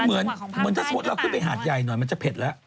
เหมือนถ้าสมมุติเราขึ้นไปหาดใหญ่หน่อยมันจะเผ็ดแล้ว